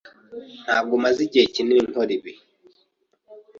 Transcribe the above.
Ntabwo maze igihe kinini nkora ibi.